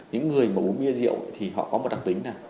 những người mà uống bia rượu thì họ có một đặc tính là